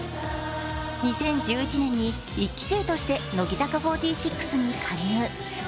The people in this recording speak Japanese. ２０１１年に１期生として乃木坂４６に加入。